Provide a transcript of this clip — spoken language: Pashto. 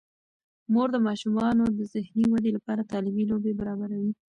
مور د ماشومانو د ذهني ودې لپاره تعلیمي لوبې برابروي.